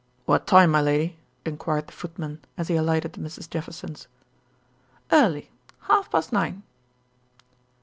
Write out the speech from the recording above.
"What time, my lady?" inquired the footman, as he alighted at Mrs. Jefferson's. "Early. Half past nine."